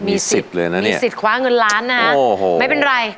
มีสิทธิ์ขว้าเงินล้านนะไม่เป็นไร